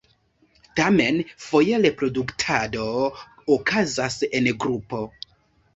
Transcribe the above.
Tamen foje reproduktado okazas en grupo.